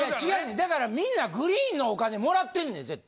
だからみんなグリーンのお金もらってんねん絶対。